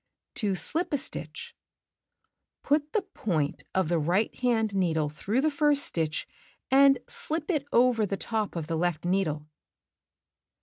To Slip a Stitch '"'(L' ^^^<=^. Put the point of the right hand needle through the first ri ^'jl.O stitch, and sUp it over the top of the left needle.